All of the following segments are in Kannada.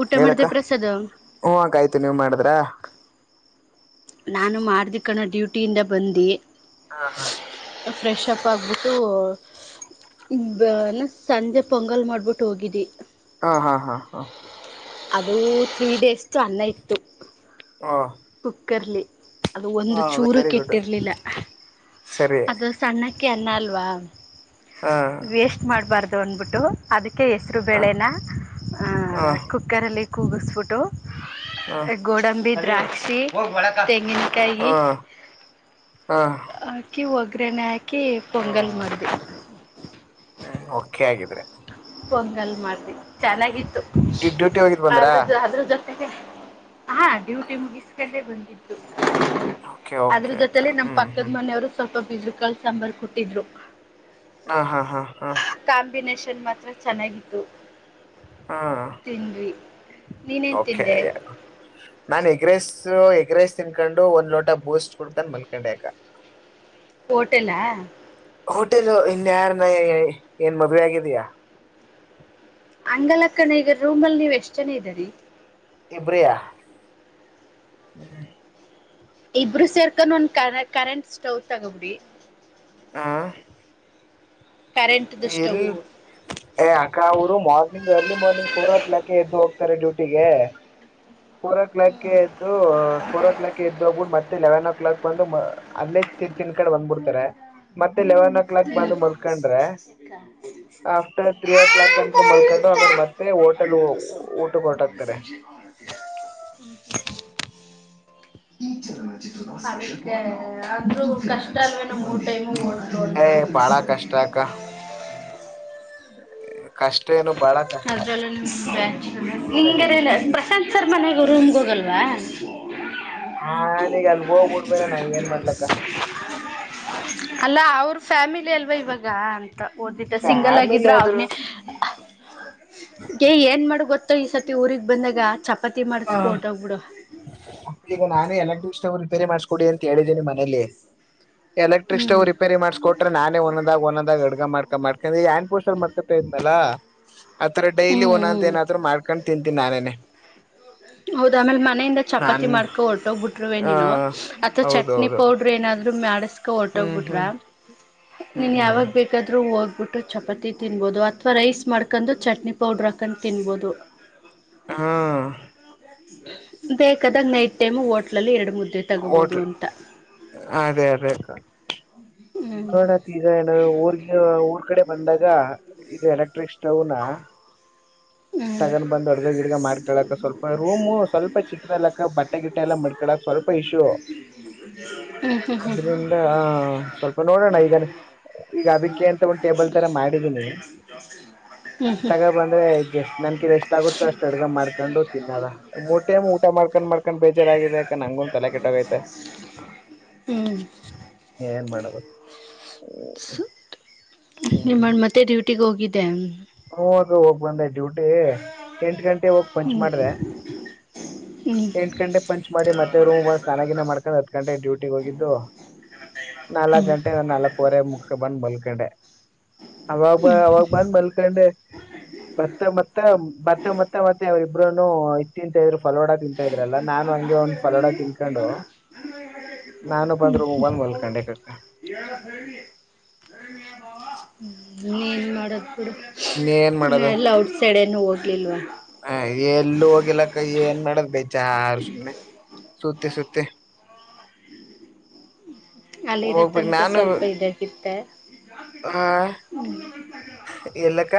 ಊಟ ಮಾಡ್ದೆ ಹೇಳಕ್ಕ ಪ್ರಸಾದ್ ಹು ಅಕ್ಕ ಆಯ್ತು ನೀವ್ ಮಾಡಿದ್ರ ನಾನು ಮಾಡ್ದೆ ಕಣೊ ಡ್ಯೂಟಿಯಿಂದ ಬಂದಿ ಹಾ ಹಾ ಫ್ರೆಶ್ಪ್ ಆಗಿಬಿಟ್ಟು ಬ್ [unintelligible] ಸಂಜೆ ಪೊಂಗಲ್ ಮಾಡಿಬಿಟ್ಟು ಹೋಗಿದ್ದವಿ ಹಾ ಹಾ ಹಾ ಹಾ ಅದು ತ್ರೀ ಡೇಸ್ದ್ ಅನ್ನ ಇತ್ತು ಹಾ ಕರ್ಲಿ ಅದು ಒಂದು ಹ ಚೂರು ವೆರಿ ಗುಡ್ ಕೆಟ್ಟಿರಲಿಲ್ಲ ಸರಿ ಅದು ಸಣ್ಣ ಅಕ್ ಕೆನ್ನಲ್ವಾ ಹ ವೇಸ್ಟ್ ಮಾಡ್ಬಾರ್ದ ತೊಂದ್ಬಿಟ್ಟು ಅದಕ್- ಕೆ ಹೆಸರು ಹ ಬೇಳೆನ ಹ ಕುಕ್ಕರಲ್ಲಿ ಇ ಕೂಗಸ್ಫಟೋ ಹ ಗೋಡಂಬಿ ಪ್ರಾತ್ [inaudible] [unintelligible] ಹ ಹ ಆಕಿ ವತ್ ಉಗ್ರಣೆ ಹಾಕಿ ಪೊಂಗಲ್ ಮಾಡ್ದೆ. ಒಕೆ ಆಗಿದೆ. ಪೊಂಗಲ್ ಮಾಡ್ ಚೆನ್ನಾಗಿತ್ತು, ಡ್ಯೂಟಿ ಹೋಗಿದ್ ಬಂದ್ರಾ ಆದೆ ಅದ್ರ ಜೊತೆ ಹಾ ಡ್ಯೂಟಿ ಮುಗಿಸ್ಕೊಂಡೇ ಬಂದ್ದಿದು. ಓಕೆ ಅದ್ರ ಓಕೆ ಅಕ್ಕ ಜೊತಲಿ ನಮ್ ಹ್ಮ್ ಪಕ್ಕದ ಹ್ಮ್ ಮನೆಯವರು ಸ್ವಲ್ಪ [unintelligible] ಸಾಂಬರ್ ಕೊಟ್ಟಿದ್ರು. ಹ ಹಾ ಹಾ ಹಾ ಕಾಂಬಿನೇಷನ್ ಮಾತ್ರ ಚೆನ್ನಾಗಿತ್ತು. ಆ ತಿಂದ್ವಿ ನೀನೇನ್ ಓಕೆ ತಿಂದೆ ನಾನು ಎಗ್ರೆಸ್ ಎಗ್ರೈಸ್ ತಿನ್ಕೊಂಡು ಒಂದ್ ಲೋಟ ಬೂಸ್ಟ್ ಕುಡ್ಕೊಂಡು ಮಲ್ಕೊಂಡೆ ಅಕ. ಹೋಟೆಲ್ಲಾ ಹೋಟೆಲ್ ಇನ್ ಯಾರನ್ನ ಏನ್ ಮದುವೆ ಆಗಿದಯಾ. ಅಂಗಲಕಣೆ ಈಗ ರೂಮ್ ಇಗ ನೀವ್ ಎಷ್ಟ್ ಜನ ಇದ್ದರಿ. ಇಬ್ರಯ ಹ್ಮ. ಇಬ್ರು ಸೇರ್ಕೊಂಡ ಒಂದ ಕ ಕರೆಂಟ್ ಸ್ಟೌವ್ ತಗಬುಡಿ. ಆ ಕರೆಂಟ್ದು ಇಲ್ಲಿ ಅಕ್ಕ ಅವರು morning early morning four o'clock ಎದ್ದು ಹೋಗ್ತಾರೆ ಡ್ಯೂಟಿ. ಟ್ಟಿಗೆ. ಫೋರ್ ಓ ಕ್ಲಾಕ್ ಗೆ ಎದ್ದು ಪೂರೂ ಕ್ಲಾಕ್ ಎದ್ದು ಹೋಗಬು ಮತ್ತೆ ಲೆವೆನ್ ಓ ಕ್ಲಾಕ್ ಬಂದು ಮ ಅಲ್ಲೇ ತಿನ್ ಕಡೆ ಬಂದ್ಬಿಡ್ತಾರೆ ಮತ್ತೆ ಲೆವೆನ್ ಓ ಕ್ಲಾಕ್ ಬಂದು ಮಲ್ಕೊಂಡ್ರೆ ಆಫ್ಟರ್ ತ್ರ್ರೀ ಓ ಕ್ಲಾಕ್ ತನಕೂ ಮಲ್ಕೊಂಡು ಅ್ರ ಸ್ಟವ್ ಮತ್ತೆ ಹೋಟೆಲ್ ಊಟ ಕೊ ಹೊಟಕ್ತಾರೆ. [unintelligible] ಟಲ್ ವೇನೋ ಮೂರು ಟೈಮು ಓಡಿಸೋದ್ರ ಏ ಬಾಳ ಕಷ್ಟ ಅಕ್ಕ. ಕಷ್ಟ ಏನು ಬಾಳ ಕಷ್ಟ ಅದ್ರಲ್ಲೂ [unintelligible] [unintelligible] [inaudible] ರೂಮ್ಗೆ ಹೋಗಲ್ವಾ ಹಾ ನೀ ಅಲ್ಗುುವ ಬುಡ್ ಬೇರ ನ ಏನ್ ಮಾಡ್ಲಕ್ಕ. ಅಲ್ಲ ಅವ್ರ ಫ್ಯಾಮಿಲಿ ಅಲ್ವಾ ಇವಾಗ. ಓದಿದ್ದ ಸಿಂಗಲ್ ಫ್ಯಾಮಿಲಿ ಆಗಿದ್ರ ಆದ್ರು ಅವ್ರನೇ ಗೆ ಏನ್ ಮಾಡು ಗೊ ಈ ಸತಿ ಊರಿಗೆಗ್ ಬಂದಾಗ ಚ ಹಾ ನಾನೇ ಎಲ್ಲಟ [unintelligible] ಬೇರಿ ಮಾಡಸ್ಕೊಡಿ ಅಂತ ಹೇಳಿದ್ದೀನಿ ಮನೆಲ್ಲಿ. ಎಲೆಕ್ಟ್ರಿಕ್ ಹ್ಮ್ ಸ್ಟವ್ ರಿಪೇರಿ ಮಾಡ್ಕೊಟ್ರೆ ನೇ ಒಂದದಾಗ ಒಂದದಾಗ ಅಡ್ಗ ಮಾಡ್ಕಾ ಮಾಡ ಯಾಕಂದ್ರೆ ಈ ಆ್ಯಾಂಡ್ ಪೋಸ್ಟರ್ ಮಾಡ್ಕೊತಾ ಇದನಲ್ಲಾ ಆಥರ ಡೈಲಿ ಹ್ಮ್ ಓನಂತ ಹ್ಮ್ ಏನಾದ್ರು ಮಾಡ್ಕೊಂಡು ತಿಂತನಿ ನಾನೇನೆ. ಹೌದ ಆಮೇಲೆ ಮನೆಯಿಂದ ಚಪಾತಿ ನಾನ್ ಮಾಡ್ಕೊಂಡ ಹೊರ್ಟ್ಟೋಗ್ಬ ಬಿಟ್ರುೇ ಆ ನೀನು ಅಥವಾ ಚಟ್ನಿ ಹೌದೌದು ಪೌಡ್ರ ಏನಾದ್ ಮೇಡಸ್ ಕ ಹ್ಮ್ ಹೊಟ್ಟೋಗ್ಬಿಟ್ರ ಹ್ಮ್ ಹ್ಮ್ ನೀನ್ ಹ್ಮ್ ಯಾವಾಗ ಬೇಕಾದ್ೂ ಹೋಗ್ ಹಾಬಿಟ್ಟು ಚಪಾತಿ ತಿನ್ಬೋದು ಅಥವಾ ರೈಸ್ ಮಾಡ್ಕೊಂಡು ಚಟ್ನಿ ಪೌಡ್ರ್ ಹಾಕೊಂಡು ತಿನ್ಬೋದು. ಹಾ ಬೇಕಾದಾಗ ನೈಟ್ ಟೈಮ್ ಹೋಟ್ಲಲ್ಲಿ ಎರಡು ಮುದ್ದೆ ತಗೋಬೋದು ಹೋಟ್ಲು ಅಂತ ಅದೇ [inaudible] ಹ್ಮ್ ನೋಡತಿ ಈಗ ಏನ ಊರ್ಗೆ ಊರ್ ಕಡೆ ಬಂದಾಗ ಇದು ಎಲೆಕ್ಟ್ರಿಕ್ ಸ್ಟವ್ನಾ ಹ್ಮ್ ತಗೊಂಡ್ ಬಂದ್ ಅಡ್ಗ ಗಿಡ್ಗ ಮಾಡ್ಕಳಕ ಸ್ವಲ್ಪ ರೂಮು ಸ್ವಲ್ಪ ಚಿಕ್ಕದಲಕ್ಕ ಬಟ್ಟೆ ಗಿಟ್ಟ ಎಲ್ಲ ಮಾಡ್ಕಳಕ್ ಸ್ವಲ್ಪ ಇಶ್ಯು ಹ್ಮ್ ಹ್ಮ್ ಆದ್ರಿಂದ ಸ್ವಲ್ಪ ನೋಡೋಣ ಈಗ ಈಗ ಅದಕ್ಕೆಅಂತ ಒಂದು ಟೇಬಲ್ ತರ ಮಾಡಿದೀನಿ ಹ್ಮ್ ಹ್ಮ್ ತಗೋ ಬಂದ್ರೆ ಜಸ್ ನನ್ಕಿ ರ ಎಷ್ಟ್ ಆಗುತ್ತೆ ಅಷ್ಟ್ ಅಡ್ಗ ಮಾಡ್ಕೊಂಡು ತಿನ್ನನ, ಮೂರ್ಟೈಮ್ ಊಟ ಮಾಡ್ಕೊಂಡ್ ಮಾಡ್ಕೊಂಡ್ ಬೇಜಾರಾಗಿದೆ ಕಣ, ನಂಗೂನ್ ತಲೆ ಕೆಟ್ಟಾಗೈತೆ. ಹ್ಮ್ ಹ್ಮ್ ಏನ್ ಮಾಡದು [inaudible] ನಿಮ್ಮ ಮಾಡ ಮತ್ತೆ ಡ್ಯೂಟಿಗೆ ಹೋಗಿದ್ದೆ. ೋಗಬಂದ ್ಯೂಟಿ ಎಂಟ ಗಂಟೆ ಹೋಗಿ ಪಂಚ್ ಹ್ಞೂ ಮಾಡ್ರೆ ಹ್ಞೂ ಎಂಟ ಗಂಟೆ ಪಂಚ್ ಮಾಡಿ ಮತ್ತೆ ರೂಮ್ ಸ್ಾನಗಿನ ಮಾಡ್ಕ್ ಹತ್ ಗಂಟೆ ಡ್ಯೂಟಿ ಹೋಗಿದ್ದು ನಾಲ್ಕ್ ಹ್ಞೂ ಗಂಟೆ ನಾಲ್ಕುವರೆ ಮುಕ್ಸ ಬಂದ್ ಬಲ್ಕ [inaudible] ಅವಾಗ ಅವಾಗ ಬಂದ್ ಮ ಮತ್ತೆ ಮತ್ತ ಮತ್ತ ಮತ್ತ ಮತ್ತ ಮತ್ಯೆ ಇಬ್ರನು ಇತ್ತಂತ ಫಲವಾಡ ತಿಂತಾ ಇದ್ರಲ್ಲ ನಾನು ಹಂಗೆ ಒಂದ್ ಫಲೋಡ ತಿನ್ಕೊಂಡು ನಾನು ಬಂದ್ರು ಮೊಬೈಲ್ ಮಲ್ಕೊಂಡಿ ಹಾ ನೀನ್ ಮಡದ್ ಏನ್ ಇನ್ನ ಎಲ್ಲ ಔಟ್ ಸೈಡ್ ಎ ಏನು ಹೋಗ್ಲಿಲ್ವಾ. ಹ ಎಲ್ಲ ಹೋಗಿಲ್ಲಕ್ಕ ಏನ್ ಮಾಡದ್ ಬಜಾರು ಸುಮ್ನೆ ಸುತ್ತ ಸುತ್ತ ಅಲ್ಲಿ ಇರೋ ತನಕ ಸ್ವಲ್ಪ ಇದಾಗಿತ್ತ, ಆ ಎಲ್ಲಕ್ಕ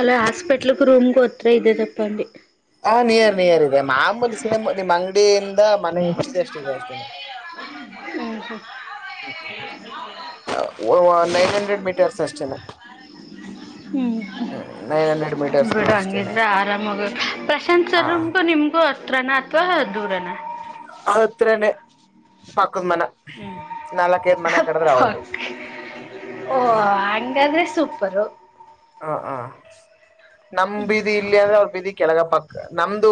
ಅಲ್ಲ ಹಸ್ಪಿಟ್ ಇಟ್ ರೂಮ್ ಕು ಕೊತ್ರ ಇದೆೇ ತಪ್ಪಿ ಹಾ ನಿಯರ್ ನಿಯರ್ ಇದೆ [inaudible] ಬೆನ್ ಮನೆ ಇಷ್ಟಿದೆ ಅಷ್ಟಿದೆ ಎಷ್ಟಿನ ಹ್ಂ ಹಾ ಹುಂ ನೈನ್ ಹಂಡ್ರೆಡ್ ಮೀಟರ್ಸ್ ಅಷ್ಟೇನೆ ನೈನ್ ಹಂಡ್ರೆಡ್ ಮೀಟರ್ಸ್ ಬಿಡು ಅಷ್ಟೇನೆ ಹಂಗಿದ್ರೆ ಆರಾಮಗ ಪ್ರಶಾಂತ್ ಹ ಸರ್ಮ್ಗೂ ನಿಮ್ಗೂ ಅ ತ್ರಣ ಅಥವಾ ದೂರನ ಹತ್ರಣ ನಕ್ಕ ಮನ ಹ್ಮ್ ನಾಲ್ಕೈದ್ ಮನೆ ಕಡದ್ರೆ ಹೌದು ಪಕ್ ಓ ಹುಂ. ಹಂಗಾದ್ರೆ ಸೂಪರು ಹ ಹ ನಮ ಬೀದಿ ಇಲ್ಲಿ ಅಂದ್ರೆ ಅವ್ರ ಬೀದಿ ಕೆಳಗ ಪಕ್ಕ ನಮ್ದು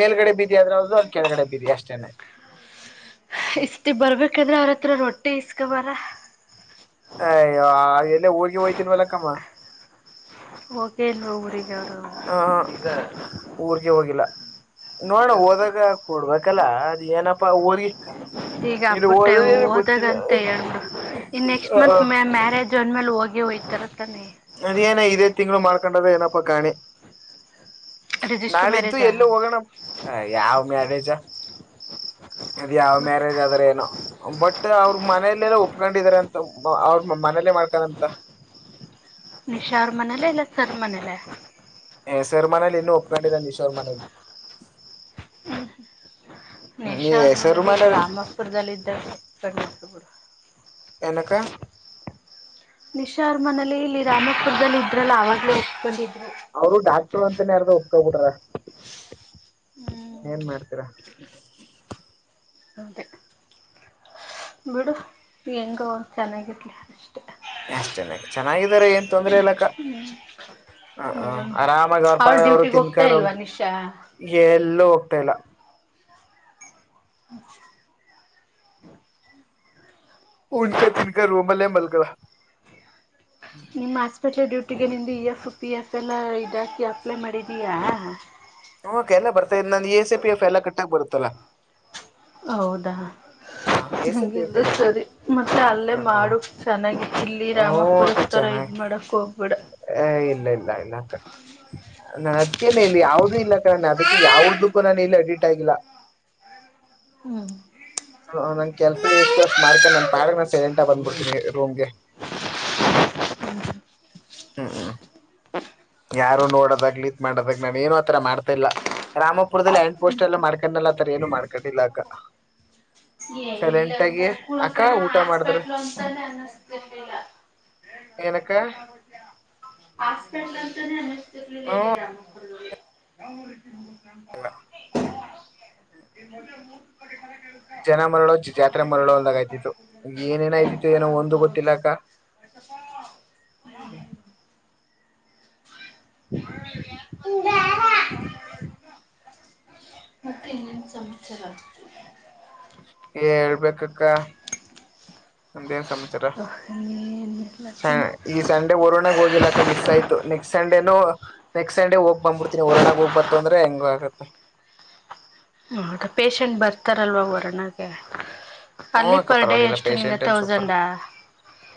ಮೇಲ್ಗಡೆ ಬಿ ಅದ್ರ್ದ ಅವ್ ಕೆಳಗಡೆ ಬೀದಿ ಅಷ್ಟೇನೆ. ಇಷ್ಟ ಬರ್ಬೇಕಂದ್ರೆ ಅವರ ಹತ್ರ ರೊಟ್ಟಿ ಇಸ್ಕೊಬರ ಅಯ್ಯೋ ಎಲ್ಲ ಹೋಗಿ ಹೋಯ್ತನ್ ವಲಕ್ಕಮ್ಮ ಹೋಗೆಲ್ೋಗ್ರ ಯಾರು ಹ ಈಗ. ನೋಡಣ ಹೋದಾಗ ಕೊಡ್ಬೇಕಲ್ಲ ಅದ್ ಏನಪ್ಪಾ ಈಗ ಇಲ್ಲಿ ಹಬ್ಬುಟ್ಟೆ ಹೋದಏನ ಗೊತ್ತಿಲ್ಲ ಹೋದಾಗಂತ ಹೇಳ್ಬಿಡು ಜೋನ್ ಮೇಲೆ ಹೋಗಿ ಹೋಗ್ತರ ಅದೇಏನ ಇದೇ ತಿಂಗಳು ಮಾಡ್ಕೊಂಡದ ಏನಪ್ಪಾ ಕಾಣಿ ರಿಜಿಸ್ಟರ್ ನಾಳಿದ್ದು ಮ್ಯಾರೇಜಾ ಎಲ್ಲು ಹೋಗೋಣ, ಯಾವ ಮ್ಯಾರೇಜ ಅದು ಯಾವ ಮತ್ತ ಮ್ಯಾರೇಜ್ ಆದ್ರ ಏನೋ ಬಟ್ ಅವ್ರ ಮನಲ್ಲೆಲ್ಲೋ ಒಪ್ಕೊಂಡಿದಿದ್ದಾರೆ ಅಂತ ಅವ ಮನಲ್ಲೇ ಮಾಡ್ತಾನಂತ. ನಿಷಾರ್ ಮನೇಲೆೇ ಇಲ್ಲ ಸರ್ ಮನೇಲೆ ನಿಶಾ ಅವ್ರ ಮನೇಲಿ ಇಲ್ಲಿ ರಾಮಾಪುರದಲ್ಲಿ ಇದ್ದ ಕಣ್ಣ ಬಿಡು [unintelligible] ನಿಶಾರ್ ಮನೇ ಇಲ್ಲೇ ರಾಮಪುರದಲ್ಲಿ ಇದ್ರಲ್ಲ ಅವಾಗಲೂ ಹಸ್ಕೊಂಡಿದ್ರೆ ಅವರು ಡಾಕ್ಟರು ಅಂತನೇ ಅರ್ದ ಒಪ್ಕಬಿಟ್ರ, ಏನ್ ಮಾಡ್ತೀರ. ಅದೇ ಬಿಡು ಹೆಂಗೋ ಚೆನ್ನಾಗಿರ್ಲಿ. ಎಷ್ಟನ ಚೆನ್ನಾಗಿದಾರೆ ಏನ್ ತೊಂದ್ರೆ ಇಲ್ಲಕ್ಕ ಹ ಹ್ಮ್ ಆರಾಮಾಗಿ ಅವ್ರಪ ಅವ್ಳು ಅವರು ಡ್ಯೂಟಿಗೆ ಹೋಗ್ತಾ ತಿನ್ಕೊಂಡು ಇಲ್ವಾ ನಿಶಾ. ಎಲ್ಲೂ ಹೋಗ್ತಾ ಇಲ್ಲ. [inaudible] ಉನ್ಕಾದ್ ತಿನ್ಕದ ರೋಮಲೆ ಮಲಗ ನಿಮ್ಮ ಆಸ್ಪೆಟಲ್ ಡ್ಯೂಟಿಗೆ ನಿಮ್ದು ಇ ಎಫ್ ಪಿ ಎಫ್. ಇಲ್ಲ ಇದಾಕಿ ಅಪ್ಲೈ ಮಾಡಿದೀಯಾ. ಹ್ಮಕ ಎಲ್ಲ ಬರ್ತಾ ನನ್ E. S. I P F ಎಲ್ಲ ಕಟ್ಟಗ್ ಬರುತ್ತೆ. ತ್ತಲ. ಹೌದ ಸಿ ಪಿ ಎಫ್ ಹಂಗಿದ್ರೆ ಇದೆ ಸರಿ ಮತ್ತೆ ಅಲ್ಲೇ ಹ ಹ ಮಾಡು ಚೆನ್ನಾಗಿ ಇಲ್ಲಿ ರಾಮಾಪುರದ ತರ ಇದ್ ಮಾಡಕ್ ಹೋಗ್ ಹೇ ಇಲ್ಲ ಇಲ್ಲ ಇಲ್ಲ ಅಕ್ಕ. ನಾನು ಅದ್ಕನೆ ಇಲ್ಲಿ ಯಾವ್ದೂ ಇಲ್ಲ ಕಾರಣ ಅದಕ್ಕೆ ಯಾವದಕ್ಕೂ ನಾನು ಇಲ್ಲಿ ಅಡಿಟ್ ಆಗಿಲ್ಲ. ಹ್ಮ ಹ ನನ್ ಕೆಲ್ಸ ಎಷ್ಟು ವರ್ಷ ಮಾಡ್ಕೊಂಡು ನಾನನ್ ಪಾಡ ನ ಸೆಲೆಂಟ ಬಂದ್ಬಿಡ್ತೀನಿ ರೂಮ್ಗೆ. ಹ್ಮ್ ಹ್ಮ್. ಯಾರು ನೋಡದಾಗ್ಲಿ ಹಿದ್ ಮಾಡದಾಗ್ಲಿ ನಾನು ಏನ ಆತರ ಮಾಡ್ತಾ ಇಲ್ಲ ರಾಮಪುರದಲ್ಲಿ ಆಂಡ್ ಪೋಸ್ಟ್ ಎಲ್ಲ ಮಾಡ್ಕೊಂಡನಲ್ಲ ಆತರ ಎನ್ನು ಮಾಡ್ಕೊಂಡಿಲ್ಲ ಅಕ್ಕ. ಸೈಲೆಂಟ್ ಆಗಿ [unintelligible] ಅಕ್ಕ ಕುಳಕಣ ಊಟ ಮಾಡಿದ್ರ ಆಸ್ಪೆಟ್ಲು ಅಂತ ಅನಸ್ತಿರ್ಲಿಲ್ಲ. ಏನಕ್ಕ. [unintelligible] ಯಾವರಿಯೇಕೇಮು. ಹ್ಮ್ [unintelligible] [unintelligible] ಜನ ಮರಳೋ ಜಾತ್ರೆ ಮರೋಳೋ ಅಂದಂಗ್ ಆಯ್ತ್ ಇದು ಏನೇನ್ ಅಯ್ತಿತೋ ಏನೋ ಒಂದು ಗೊತ್ ಹೌದೌದು ತಿಲಕ್ಕ. ಮತ್ತೇನು ಸಮಾಚಾರ. ಏ ಎಳ್ಬೇಕೇಕಕ್ಕ ನಿಮ್ದ್ ಎನ್ ಸಮಚಾರ. ಲಕ್ಷಣ. ಸಂಡೆ ಒರಣಾಗ ಹೋಗಿಲಾಕ್ಕ ಮಿಸ್ ಆಯ್ತು ನೆಕ್ಸ್ಟ್ ಸಂಡೇನೂ ನೆಕ್ಸ್ಟ್ ಸಂಡೆ ಹೋಗ್ ಬಂದ್ಬಿಡ್ತೀನಿ ಹೊರೋಣಾಗ ಹೋಗ್ಬತ ಅಂದ್ರೆ ಹೆಂಗ ಆಗತ್ತ. ಪೇಷಂಟ್ ಬರ್ತಾರ ಅಲ್ವಾವರಣಕೆ. ಹು ಅಕ್ಕ ಪರವಾಗಿಲ್ಲ ಪೇಶೆಂಟ್ ಏನ್ ಸೂಪರ್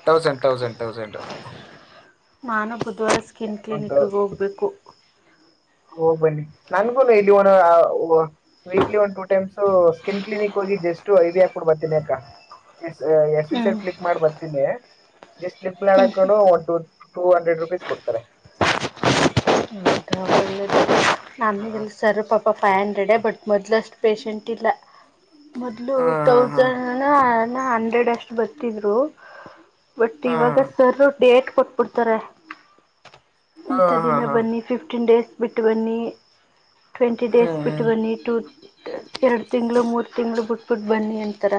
ಥೌಸಂಡ್ ಥೌಸಂಡ್ ಥೌಸಂಡ್. ನಾನು ಬುಧವಾರ ಸ್ಕಿನ್ ಕ್ಲಿನಿಕ್ಗೆ ಹೋಗ್ಬೇಕು. ಒಗ್ಬನ್ನಿ ನಂಗುನು ಇಲ್ಲಿ ಒ weekly one two times skin clinic ಹೋಗಿ ಜಸ್ಟ್ ಐಡಿಯಾ ಕೊಟ್ಟು ಬರ್ತನಿ ಅಕ್ಕ ಸ್ವಸ್ ಹ್ಮ್ ಕ್ಲಿಕ್ ಮಾಡಿ ಬತೀನಿ ಜಸ್ಟ್ ಟೂಹಂಡ್ರೆಡ್ ರುಪೀಸ್ ಕೊಡ್ತರೆ. ಹೌದಾ ಒಳ್ಳೇದು ನಮಗೆಲ್ಲ ಸರ್ಪಾಪ ಫೈವ್ ಹಂಡ್ರೆಡ್ ಬಟ್ ಮೊದ್ಲಷ್ಟು ಪೇಶಂಟ ಇಲ್ಲ. ಮೊದ್ಲು ಹಾ ಹಾ ತೌಸಂನನ ಡ್ ಅಷ್ಟು ಬತಿದ್ರು. ಬಟ್ ಹಾ ಹಾ ಇವಾಗ ಸರ್ ಡೆಕ್ ಕೊಟ್ಬಿಡ್ತಾರೆ. ಇಂಥ ಹಾ ಹಾ ಹಾ ದಿನ ಹಾ ಬನ್ನಿ ಫಿಫ್ಟೀನ್ ಡೇಸ್ ಬಿಟ್ ಬನ್ನಿ. ಟ್ವೆಂಟಿ ಡೇಸ್ ಹ್ಮ್ ಹ್ಮ್ ಬಿಟ್ಟುಬನ್ನಿ ಟು ಟೆ. ಎರಡು ತಿಂಗಳು ಮೂರು ತಿಂಗಳು ಬುಟ್ಟು ಬಟ್ಟ್ ಬನ್ನಿ ತರ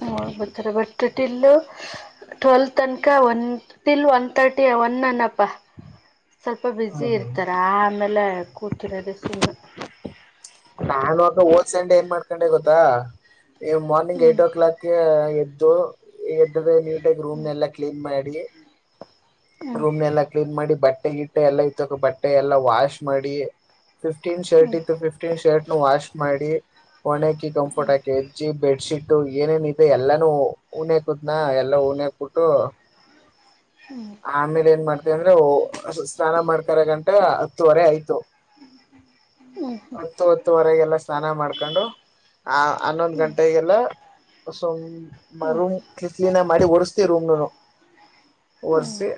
ಹ್ಮ್ ಬತ್ತರೆ ಬಟ್ ಟೋಟಲ್ ಟ್ವೀಲತನಕ one till one thirty one on ಅನಪ್ಪ. ಸ್ವಲ್ಪ ಬ್ಯುಸಿ ಹ್ಮ್ ಹ್ಮ್ ಇರ್ತಾರ ಆಮೇಲೆ ಕೂತಿರೋದು ಸುಮ್ಮನೆ. ನಾನು ಅಕ್ಕ ಓದ್ಸಂಡೆ ಏನ್ ಮಾಡ್ಕೊಂಡೆ ಗೊತ್ತಾ. ಈ ಮಾರ್ನಿಂಗ್ ಹ್ಞೂ ಏಟ್ ಓ ಕ್ಲಾಕ್ಗೆ ಎದ್ ದು ಅಂದ್ರೆ ನೀಟಾಗಿ ರೂಮ್ನೆಲ್ಲಾ ಕ್ಲೀನ್ ಮಾಡಿ. ರೂಮ್ ನೆಲ್ಲ ಕ್ಲೀನ್ ಮಾಡಿ ಬಟ್ ಟ್ಟೆ ಗಿಟ್ಟೆ ಎಲ್ಲ ಇತ್ತಕೊ ಬಟ್ಟೆ ಎಲ್ಲ ವಾಶ್ ಮಾಡಿ ಫಿಫ್ಟೀನ್ ಹ್ಞೂ ಷರ್ಟ್ ಇತ್ತು ಫಿಫ್ ಟೀನ್ ಶರ್ಟ್ ನು ವಾಶ್ ಮಾಡಿ ಒಣಾಕಿ ಕಂಫರ್ಟ್ ಹಾಕಿ [unintelligible] ಬೆಡ್ಶೀಟ್ ಇದು ಏನೇನ್ ಇದೆ ಎಲ್ಲಾನೂ ಉ ಉಣ್ಯಾಕುಟ್ನಾ, ಎಲ್ಲಾ ಉಣ್ಯಾಕ್ಬುಟ್ಟು ಹ್ಞೂ ಆಮೇಲ್ ಏನ್ ಮಾಡ್ದೆ ಅಂದ್ರೆ ಓ ಸ್ನಾನ ಮಾಡ್ಕರ ಗಂಟ್ [unintelligible] ಹತ್ತುವರೆ ಆಯ್ತು. [unintelligible] ಹತ್ತು ಹತ್ತುವರೆಗೆಲ್ಲ ಸ್ನಾನ ಮಾಡ್ ಕಂಡು ಆ ಅನ್ನೊಂದ್ ಹ್ಞೂ ಗಂಟೆಗೆಲ್ಲ [unintelligible] ಹ್ಞೂ ಹ್ಞೂ [unintelligible] ಕ್ಲಿ ಕ್ಲೀನಾಗ್ ಮಾಡಿ ಒರಸ್ತೀ ರೂಮ್ ನನು. ಒರ್ಸಿ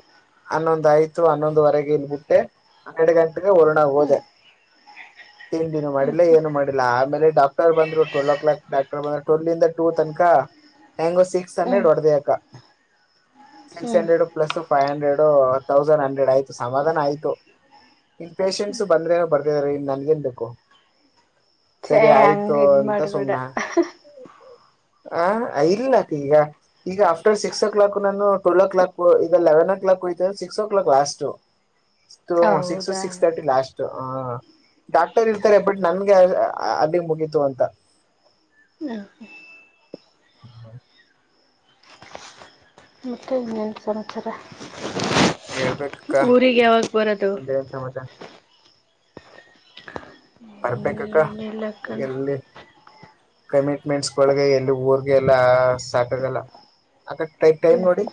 ಹನ್ನೊಂದಾಯ್ತು ಹನ್ನೊಂದುವರೆಗ್ ಬುಟ್ಟೆ ಹನ್ನರಡು ಗಂಟೆ ಒಣಾ ಹೋದ ಹ್ಞೂ ತಿಂಡಿನೂ ಹ್ಞೂ ಮಾಡಿಲ್ಲ ಏನು ಮಾಡಿಲ್ಲ ಆಮೇಲೆ ಡಾಕ್ಟ ಡಾಟರ್ ಬಂದ್ರು ಟ್ವಲ್ ಕ್ಲಾಕ್ ಡಾಕ್ಟರ್ ಬಂದ್ರು ಟೋಲ್ಂದ ಟೂ ತನಕ ಹೆಂಗೋ ಸಿಕ್ಸ್ ಹಂಡ್ರೆಡ್ ಹೊಡೆ್ದ ಅಕ್ಕ ಸಿಕ್ಸ್ ಹ್ಞೂ hundred plus five hundred thousand hundred ಆಯ್ತು ಸಮಾಧಾನ ಆಯ್ತು ಇನ್ ಪೇೇಶೆಂಟ್ಸ್ ಬಂದ್ರೆ ಬರ್ತ [inaudible] ಎಂದಕ್ಕೋ ಛೇ ಸರಿ ಆಯ್ತು ಹಂಗೆ ಇದು ಎಂತ ಮಾಡಬೇಡ ಸುಮನಾ ಆ ಇರ್ಲಾಕ ಈಗ ಈಗ ಆಫ್ಟರ್ ಸಿಕ್ಸ್ ಓ ಕ್ಲಾಕ್ ನಾನು ಟ್ವೆಲ್ ಓ ಕ್ಲಾಕ್ ಈಗ ಲೆವೆನ್ ಓ ಕ್ಲಾಕ್ ಹೋಯ್ತ six o'clock last six ಹೌದಾ ಸಿಕ್ಸ್ ತರ್ಟಿ ಲಾಸ್ಟ್ ಹಾ ಡಾಕ್ಟರ್ ಇರ್ತಾರೆ ಬಟ್ ನನ್ಗೆ ಯಾರಿಲ್ಲ ಅದಗ್ ಮುಗೀತು ಅಂತ ಹ್ಮ [inaudible] ಮತ್ತೆ ಏನ್ ಸಮಾಚಾರ ಹೇಳ್ಬೇಕಕ್ಕ ಊರಿಗೆ ಯಾವಾಗ ಬರೋದು ಮತ್ತೇನ್ ಸಮಾಚಾರ ಬರ್ಬೇಕ [inaudible] ಕಮಿಟ್ಮೆಂಟ್ಸ್ಗಳಗೆ ಎಲ್ಲಿ ಊರ್ಗೆ ಎಲ್ಲಾ ಸಾಕಾಗಲ್ಲ ಅಕ್ಕ ಟೈಟೈಮ್ ನೋಡಿ